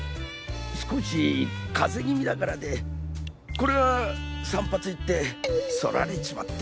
少し風邪気味だからでコレは散髪行って剃られちまって。